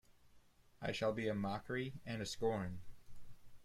I shall be a mockery and a scorn.